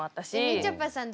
みちょぱさん